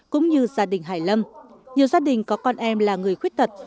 cũng như gia đình hải lâm nhiều gia đình có con em là người khuyết tật